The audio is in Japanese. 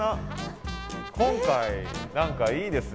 今回何かいいですね。